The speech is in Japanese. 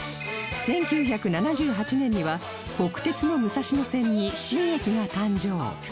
１９７８年には国鉄の武蔵野線に新駅が誕生